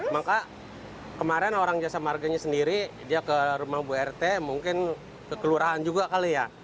maka kemarin orang jasa marganya sendiri dia ke rumah bu rt mungkin ke kelurahan juga kali ya